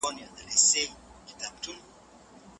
چي پانوس به په رنګین وو هغه شمع دریادیږي؟